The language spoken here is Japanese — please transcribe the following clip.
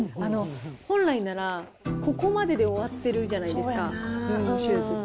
本来なら、ここまでで終わってるじゃないですか、ルームシューズって。